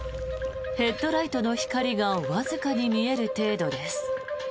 ヘッドライトの光がわずかに見える程度です。